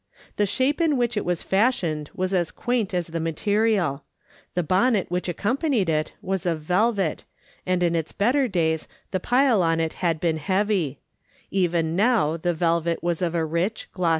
The shape in which it was fashioned was as quaint as the material. The bonnet which accompanied it was of velvet, and in its better days the pile on it had been heavy ; even now the velvet was of a rich, glos.